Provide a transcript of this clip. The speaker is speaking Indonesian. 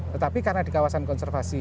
tetapi karena di kawasan konservasi